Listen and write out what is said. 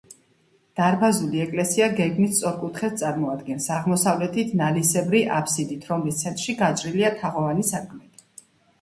დარბაზული ეკლესია გეგმით სწორკუთხედს წარმოადგენს, აღმოსავლეთით ნალისებრი აბსიდით, რომლის ცენტრში გაჭრილია თაღოვანი სარკმელი.